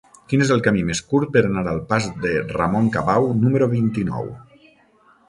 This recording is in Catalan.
Quin és el camí més curt per anar al pas de Ramon Cabau número vint-i-nou?